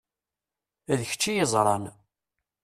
D kečč i yeẓṛan.